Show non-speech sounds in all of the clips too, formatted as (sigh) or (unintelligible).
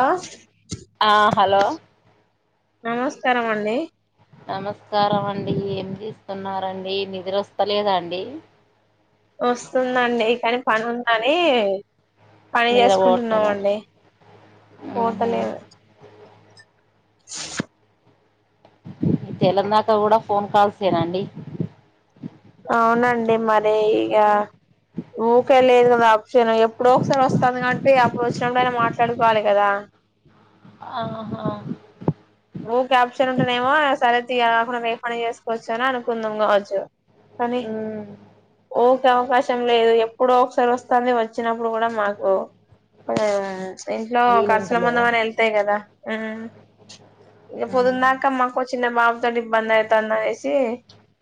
ఆ ఆ హలో నమస్కారం అండీ. నమస్కారం అండీ, ఏం చేస్తున్నారండీ, నిదుర వస్తలేదాండీ. వస్తుందండి, కాని పని ఉందనీ. పని నిద్ర పోవట్లేదా చేసుకుంటున్నామండి. ఆహా పోతలేదు. (unintelligible) మీక్ తెల్లందాక కూడా ఫోన్ కాల్సేనా అండి. అవునండి మరీ ఇగా, ఊకెలేదు కదా అప్షన ఎప్పుడో ఒకసారి వస్తాంది కాబట్టి అప్పుడు వచ్చినప్పుడయినా మాట్లాడుకోవాలి కదా. ఆహా ఊకె ఆప్షన్ ఉంటనేమో సరేథీ అది కాకుండ వేరే పని చేసుకోవచ్చు అని అనుకుందుం కావచ్చు. కాని, ఉమ్ ఊకె అవకాశం లేదు ఎప్పుడో ఒకసారి వస్తాంది వచ్చినప్పుడు కూడా మాకూ. కొం ప్చ్ ఇంట్లో ఖర్చుల వీలుంటలేదా మందం అయినా ఎళ్తయి గదా. ఆ ఇగ ఉమ్ పొద్దుందాంక మాకో చిన్న బాబుతోటి ఇబ్బంది అయితాంది అనేసీ.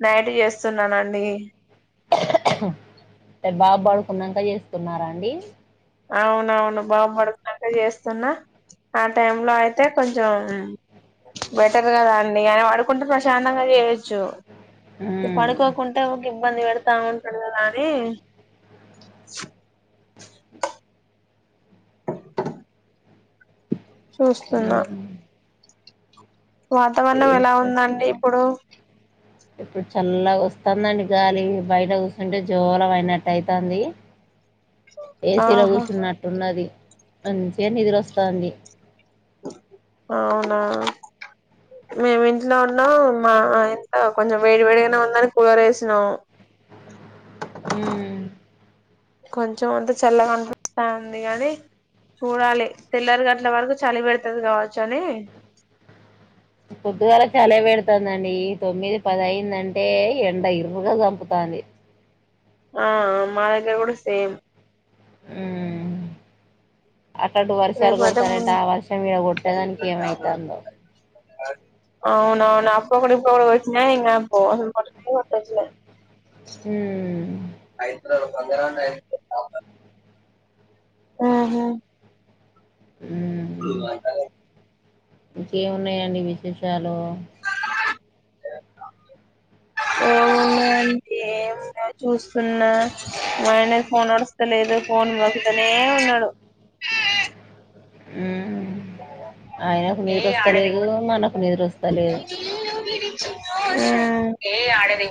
నైటు చేస్తున్నానండీ. అంటే బాబ్ పడుకున్నంక చేస్తున్నారా అండీ. అవునవును బాబు పడుకున్నంక చేస్తున్నా. ఆ టైమ్ లో అయితే కొంచెం బెటర్ కదా అండి, అయన పడుకుంటే ప్రశాంతంగా చేయొచ్చు. ఉమ్ పడుకోకుంటే ఊకె ఇబ్బంది పెడతా ఉంటడు కదా అనీ. ట చూస్తున్న ఉమ్ వాతావరణం ఎలా ఏంట ఉందండి ఇప్పుడు. ఇప్పుడ్ చల్లగ వస్తాదండి గాలీ, బయట కూసుంటే జోలపాడినట్టు అయితాందీ. ఏసీలో ఆహా కూసున్నట్టున్నది. మంచిగ నిదురొస్తాంది. అవునా మేమ్ ఇంట్లో ఉన్నం, మా ఇంట్లో కొంచెం వేడి వేడిగానే ఉన్నది కూలర్ ఏసినం. ఉమ్ కొంచెం అంత చల్లగా అనిపిస్తాంది గాని, చూడాలి తెల్లారిగట్ల వరకు చలి పెడతది గావచ్చు అనీ. పొద్దుగాల చలే పెడుతాందండి ఈ తొమ్మిది పదైంద్ అంటే, ఇగ ఎండ ఇర్రుగా చంపుతాంది. ఆ మా దగ్గర కూడ సేమ్ ఉమ్ అట్లాటు వర్షాలు రేపయితే కొడతానయ్ ము అంటా, ఆ వర్షం ఈడ కొట్టేదానికి ఏమైతాందో. అవునవును అప్పుడు ఒకటి ఇప్పుడు ఒకటి కొట్టినా ఏం కాక పోవు (unintelligible) ఉమ్ ఆహ ఉమ్, (unintelligible) ఇంకేమున్నాయండి విశేషాలూ. ఏమున్నాయండి ఏం లేదు చూస్తున్నా, మా ఆయనది ఫోన్ నడుస్తలేదు ఫోన్ నొక్కుతనే ఉన్నడు. ఉమ్ ఆయనకు నిదుర ఒస్తలేదూ, మనకు నిదుర ఒస్త లేదు. ఉమ్ ఏ ఆడది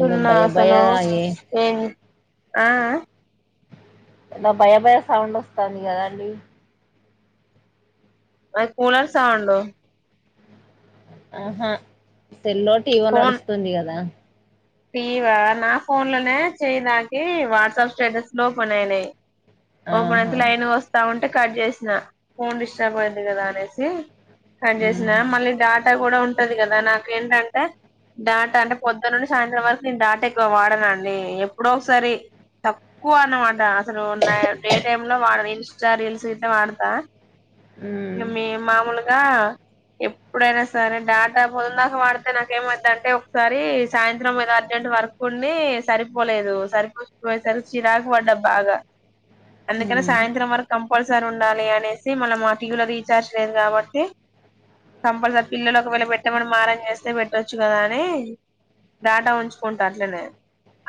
ఏందో భయ భయ అసలు ఏ ఏం ఆ ఆ ఎలా భయ భయ సౌండ్ వస్తాంది కదండి అ కూలర్ సౌండు ఆహ తెల్లో టీవో ఫోన్ నడుస్తుంది కదా టీవా నా ఫోన్లోనే చేయ్దాకి వాట్సాప్ స్టేటస్లోపెన్ అయినాయి ఓపనైేత ఆహా లైన్ వస్తా ఉంటా అంటే కట్ చేసిన ఫోన్ డిస్టర్బ్ అయింది కదా అనేసి కట్ ఉమ్, చేసిన మళ్ళీ డాటా గూ కూడా ఉంటది కదా నాకేంటంటే డాట అంటే పొద్దునుండి సా సాయంత్రం వరకు నేను డాట ఎక్కువ వాడనండి ఎప్పుడో ఒకసారి తక్కువ అన్నమాట అసలు ఉన్నాయి డే టైమ్ లో వా ఇన్ష్టా రీల్స్ ఇట్ల వాడతా ఉమ్, మీ మామూలుగా ఎప్పుడైనా సరే డాటా పొద్దన్దాక వాడితే నాకేమైద్దంటే ఒకసారి సాయంత్రం ఏదో అర్జెంట్ వర్క్ ఉండి సరిపోలేదు సరిపోకపోయేసరికి చిరాకు పడ్డా బాగా అందుకనే ఉమ్. సాయంత్రం వరకు కంపల్సరి సారి ఉండాలి అనేసి మళ్ళ మా టీవీలో రీచార్జ్ లేదు కాబట్టి కంపల్సరీ పిల్లలు ఒకవేళ పెట్టమని మారం చేస్తే పెట్టొచ్చు కదా అని డేటా ఉంచుకుంటా అట్లనే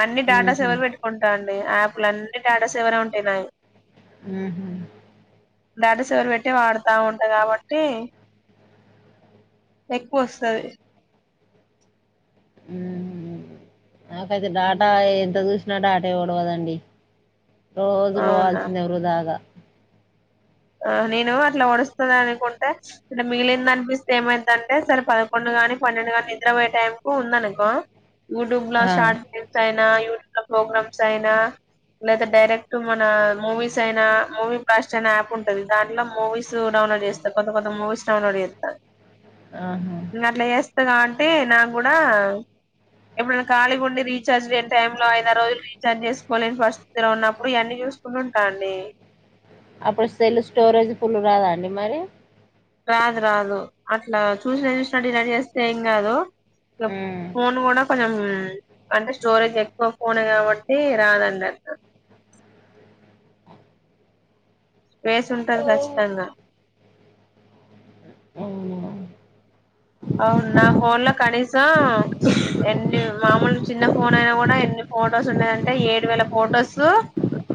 అన్ని డేటాస్ హుహు. ఎవరు పెట్టుకుంటా అండి యాప్లన్నీ డాటా సేవరే ఉంటాయ్ నావి ఉహూ డాటా సేవర్ పెట్టి వాడతా ఉంటా కాబట్టి ఎక్కువొస్తాది హ్మ్. నాకైతే డాటా ఎంత ద నా డాటా యే ఓడవదండి రోజూ అవునా పోవాల్సిందే ఎవరు దాగా ఆ నేను అట్లా వడుస్తుంది అనుకుంటే అంటే మిగిలిందనిపిస్తే ఏమైతుంటే సరే పదకొండు కాని పన్నెండు కాని నిద్రపోయే టైం కు ఉందనుకో యూట్యూబ్ లో ఆ! శార్ట్ క్లిప్స్ ఐనా యూట్యూబ్ లో ప్రోగ్రామ్స్ అయినా లేదా డైరెక్ట్ మన మూవీస్ అయినా మూవీ బ్లాష్టయిన యాప్ ఉంటది దాంట్లో మూవీస్ డౌన్లోడ్ చేస్తారు కొంత కొత్త మూవీస్ డౌన్లోడ్ చేత్త ఆహా కొత్త కాబట్టి అంటే నాకు కూడా ఇప్పుడు ఖాళీగా ఉండి రీచార్జ్ లేని టైం లో అయిన రోజులు రీచార్జ్ చేసుకోలేని పరిస్థితిలో ఉన్నప్పుడు ఇవన్నీ చూసుకుంటూ ఉంటా అండి అప్పుడు సెల్ స్టోరేజ్ ఫుల్ రాదా అండి మరి రాదు రాదు అట్లా చూసినవి చూసినట్టు డిలేట్ చేస్తే ఏం కాదు హ్మ్. ఫోన్ కూడా కొంచెం అంటే స్టోరేజేక్కువ ఫోనే కాబట్టి రాదన్నట్టు స్పేస్సుంటది ఖచ్చితంగా ఔనా ఔన్ నా ఫోన్ల కనీస్ ఆ ఎన్ని మామూల్ చిన్న ఫోన్ ఐనగుడా ఎన్ని ఫొటోస్ ఉన్నయంటే ఏడు వేల ఫొటోసు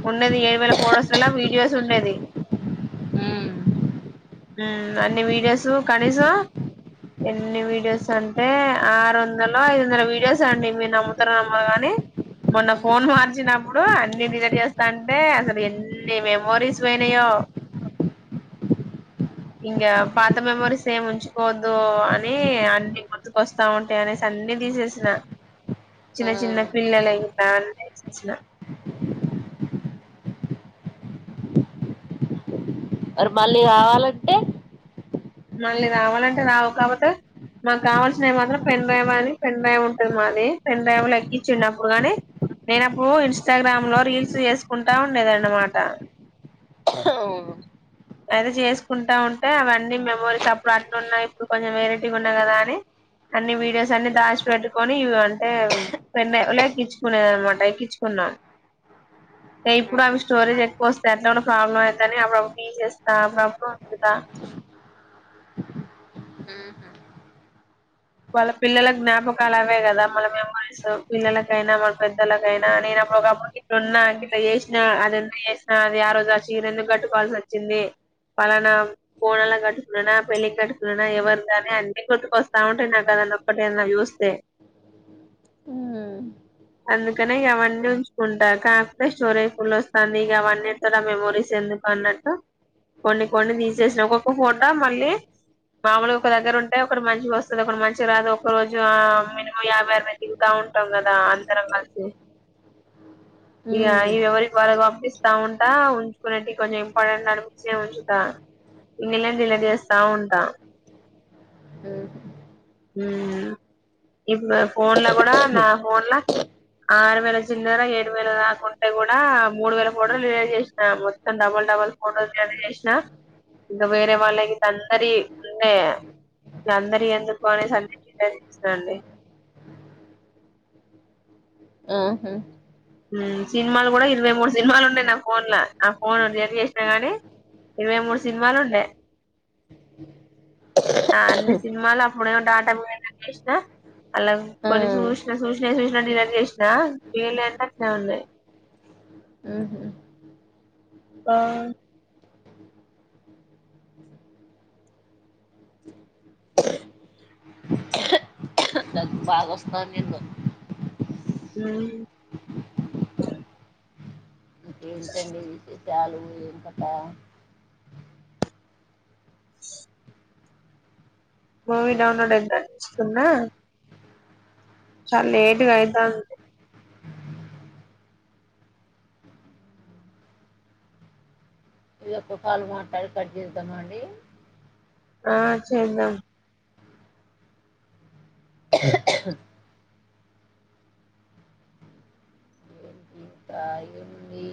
ఉండెది ఏడు వేల ఫొటోస్లల్ల వీడియోస్ ఉండేది హ్మ్. అన్ని వీడియోస్ కనీసం ఎన్ని వీడియోస్ అంటే ఆరు వందలో, ఐదు వందల వీడియోస్ అండి మీరు నమ్ముతరో నమ్మరో గని మోన్న హ్మ్. ఫోన్ మార్చినప్పుడు అన్ని డిలేట్ చేస్తంటే అసలు ఎన్ని మెమోరీస్ పోయినాయో ఇంగ పాత మెమోరీస్ ఏమి ఉంచుకోవ్ దూ అని అన్ని గుర్తుకుఒస్తా ఉంటాయ్ అనేసి అన్ని తిసేస్న ఆ! చిన్న చిన్న పిల్లలై చాన్నే స్స్న మరి మళ్ళీ గావాలంటె మళ్ళీ రావాలంటే రావు కాపోతే మాక్ కావాల్సినయ్ మాత్రం పెన్ డ్రైవ్ అని పెన్ డ్రైవ్ ఉంటుంది మాది పెన్ డ్రైవ్ల ఏక్కిించిండు అప్పుడు గనీ నేనప్పుడు ఇన్స్టాగ్రామ్ లో రీల్స్ చేస్కుంటా ఉండేదన్నమాట హుహు. అది చేస్కుంటా ఉంటే అవన్నీ మేమ్ మెమొరీస్ అప్పుడు అట్లున్న ఇప్పుడు కొంచెం వెరైటీగా ఉన్నా గదా అన్ని అన్ని వీడియోస్ అన్ని దాశిపెట్టుకొని ఉ అంటే పెన్డ్రైవ్ల ఎక్కించుకునేది అనమాట ఎక్కించుకున్నా టె ఇప్పుడు అవి స్టోరీజ్ ఎక్కువ వస్తేయ్ అట్ల గుడా ప్రాబ్లమైతని అప్పుడప్పుడు తిసేస్తా అప్పుడప్పుడు ఉంచుతా హ్మ్. వాళ్ళ పిల్లల జ్ఞాపకాలవే గదా మన మెమోరీస్ పిల్లలకైనా మన పెద్దలకైనా నేనుప్పుడు ఒకప్పుడు గిట్లా ఉన్న గిట్ల చేశ్నా అది ఎందుకు చేశ్నా అది ఆ రోజు ఆ చీర ఎందుకు కట్టుకోవాల్సి ఒచ్చింది పలనా బోనాలకి గట్టుకున్ననా పెళ్ళికి కట్టుకున్ననా ఎవర్ది అని అన్ని గుర్తుకొస్తా ఉం నా కది ఒకటి ఏదన్న చూస్తే హ్మ్. అందుకనే ఇగవన్నీ ఉంచుకుంట కాపోతే స్టోరేజ్ ఫుల్ ఒస్తంది ఇగ అవన్నీ ఎట్లారా మెమోరీస్ ఎందుకు అన్నట్టు కొన్ని కొన్ని తీసేశ్న ఒక్కొక్క ఫోటో మళ్ళీ మాముల్గా ఒక దగ్గర ఉంటే ఒక మంచిగ ఒస్త్ ఒకటి మంచిగా రాదు ఒక రోజు ఆ మినిమం యాభై, ఆర్వై దిగుతా ఉంటాం గదా అందరం గలిసి ఇగ అయి ఎవరికి వాళ్ళకి పంపిస్తా ఉంటా ఉంచుకునేటి కొన్నీ ఇంపార్టెంట్ అనిపిచ్చినయ్ ఉంచుతా మిగిలినవి డిలీట్ చేస్తా ఉంటా హ్మ్. ఉమ్ ఇప్పుడు ఫోన్ల గుడా నా ఫోన్ల ఆరు వేల చిల్లర ఏడు వేల దాకుంటే గుడా మూడు వేల ఫోటోలు డిలెట్ చేశ్న మొత్తం డబల్ డబల్ ఫోటోలు డిలేట్ చేశ్నా ఇంక వేరే వాళ్ళవి గిట్ల అందరియ్ ఉండే అందరియ్ ఎందుక్ నేసి అన్ని డిలేట్ చేశ్న అండి ఆహా ఉమ్ సినిమాలు గుడా ఇరవై మూడు సినిమాలు ఉండె నా ఫోన్ల ఆ ఫోన్ డిలీట్ చేశ్న గని ఇరవై మూడు సినిమాలు ఉండే అ అన్ని సినిమాలు అ అప్పుడెమో డాటా చేశ్న అలా ఆ! కొన్ని చూశ్న చూశ్న చూశ్ శ్న డిలేట్ చేశ్న వీళ్ళ ఎంత ఎం అన్లే ఊహు బా భాగ ఒస్తాందెందో ఉమ్ ఏంటండి ఇది గాలు ఏమ్ కతా (inaudible) మూవీ డౌన్లోడ్ అయిందని చున్నా చాల్లేటుగా అయితాంద్ ఈ ఒక్క కాల్ మాట్లాడి కట్ చేద్దమా అండి ఆ చేద్దాం ఏంటి ఇంకా ఏముంది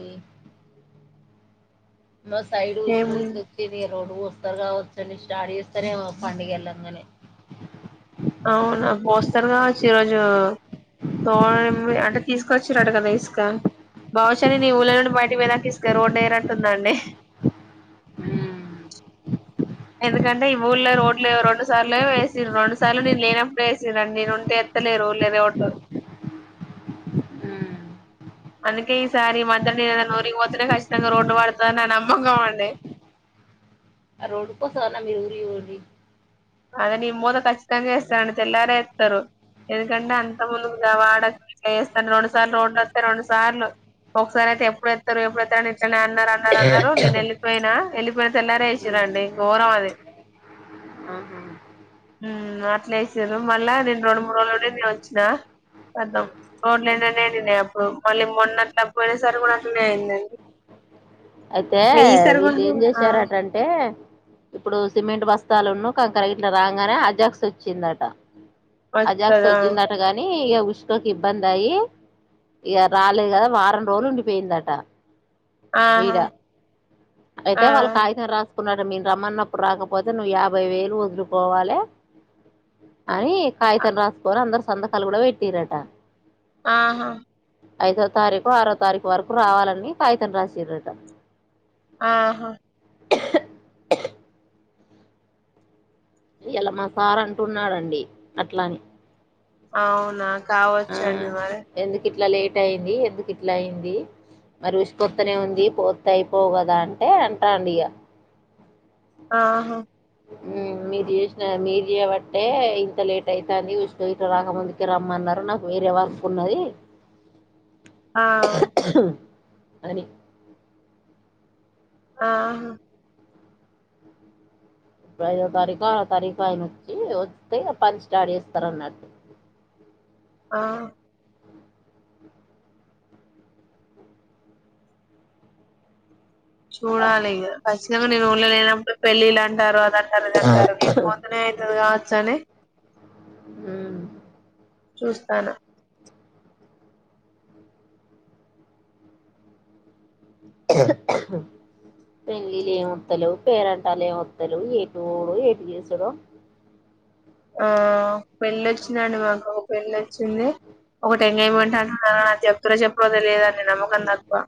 మా సైడ్ ఉషుక ఏముంది గిట్ల ఒచ్చింది రోడ్డు పోస్తరు కావచ్చండి స్టార్ట్ చేస్తరెమో పండుగెళ్ళంగానే అవునా పోస్తరు కావచ్చు ఈ రోజూ తో అం అంటే తీస్కోచ్చిరు అట గద ఇస్క బహుశా నీ ఊళ్ళ నుండి బయటికి పోయే దాక ఇస్క రోడ్డు ఎయనట్టుందండి ఎందుకంటే ఈ ఊళ్ళ రోడ్లే రెండు సార్లే వేసిర్ రెండు సార్ల నేను లేనప్పుడే ఏసిర్రండి నేను ఉంటే ఎత్తలేరు ఊళ్ళ రోడ్డు అందుకే ఈసారి మధ్య నేనేదన్న ఊరికి పోతేనే ఖచ్చితంగ రోడ్డు వడతదని నా నమ్మకంమండి రోడ్డుకోసమన్న మీర్ ఉరికి పోర్రి అదె నేన్ పోతే ఖచ్చితంగ ఎస్తరండి తెల్లారే ఏత్తరు ఎందుకంటే అంత ముందుకు గా వాడకు గిట్ల చేస్త రెండు సార్లు రోడ్లు అత్తె రెండు సార్లు ఒకసారి ఐతే ఎప్పుడు ఎత్తరు ఎప్పుడెత్తరు ఇట్లనె అన్ అన్నారు అన్నారు అన్నారు నేను వెళ్ళిపోయినా వెళ్లిపోయిన తెల్లారే వేసిరండి ఘోరం అది ఉం అట్లా వేసిరు మళ్ళా నేను రెండు మూడు రోజులు ఉండి వచ్చిన (unintelligible) రోడ్లనేనే నిండినయ్ అప్పుడు మళ్ళీ మొన్నట్లా పోయిన సరి కూడా అట్లనే అయిందండి. అయితే ఇగ ఈసారి కూడా వీళ్ళు ఏం ఆ చేసార అటంటే ఇప్పుడు సిమెంట్ బస్తాలు ఉన్న కంకర్ గిట్లా రాగానే అజాక్స్ వచ్చిందట. అజాక్స్ వస్తదా వజిందట గాని ఎవ్ పష్కకి ఇబ్బంది ఆ య్యి ఇక రాలేదు కదా వారం రోజులు ఉండిపోయిందట ఎంపీపీ ఆహా అయితే ఆ వాళ్ళు కాయితం రాస్ కున్నా మీరు రమ్మన్నప్పుడు రాకపోతే నువ్వు యాభై వేలు వదులుకోవాలె. అని కాయితం రాసుకొని అందరు సంతకాలు కూడా పెట్టింద్రట ఆహా ఐదో తారీఖు, ఆరో తారీఖు వరకు రావాలని కాగితం రాసిడట ఆహా ఇయ్యాల మా సార్ అంటున్నాడంండి అట్లని అ అవునా కావ వచ్చిఅండి మరి ఎందుకు ఇట్లా లేట్ అయింది ఎందుకు ఇట్లా అయింది మరి రుషి పొతనే ఉంది పూతి అయిపోవు కదా అంటే అంటాండి ఇక ఆహా ఉమ్ మీరు చేసిన మీరు చేయబట్టే ఇంత లేట్ అయితాంది ఉష్ ఇట్ రాకముందుకి రమ్మన్నారు నాకు వేరే వరకు ఉన్నది ఆ అని ఆ ఆహా ఇప్పుడు ఐదో తారీఖు ఆరో తారీఖు ఆయన వచ్చి వస్తే పని స్టార్ట్ చేస్తారు అన్నట్టు ఆ చూడాలిక ఖచ్చితంగా నేను ఊళ్ళో లేనప్పుడు పెళ్ళిళ్ళుంటారు అదంటారు ఇదంటారులు నేను పోతనే అవుతుంది చండి ఉమ్మ్ చూస్తాను పెళ్లిలు ఏ ముత్తలు పేరంటాలు ఏ ముత్తలు ఏటు ఊడు ఏటు గసుడం ఆ పెళ్ళి వచ్చిందండి మాకు ఒక పెల్లి వచ్చింది ఒకటి ఎంగేజ్మెంట్ అంటున్న నాకు చెప్పద లేద నమ్మకం తక్కువ